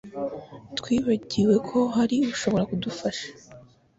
twibagiwe ko hari ushobora kudufasha.